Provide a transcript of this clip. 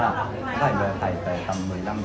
nó phải phải tầm một mươi năm một mươi sáu mét rồi lên